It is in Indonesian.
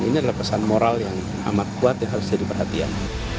ini adalah pesan moral yang amat kuat yang harus jadi perhatian